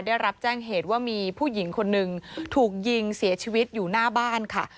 ได้รับแจ้งเหตุว่ามีผู้หญิงคนหนึ่งถูกยิงเสียชีวิตอยู่หน้าบ้านค่ะ